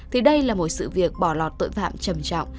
thì đây là một sự việc bỏ lọt tội phạm trầm trọng